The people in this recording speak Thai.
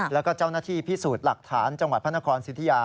แล้วก็เจ้าหน้าที่พิสูจน์หลักฐานจังหวัดพระนครสิทธิยา